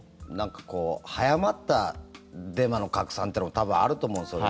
早まったデマの拡散っていうのも多分あると思うんですよね。